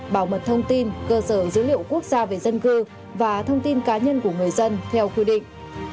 bảo mật thông tin cơ sở dữ liệu quốc gia về dân cư và thông tin cá nhân của người dân theo quy định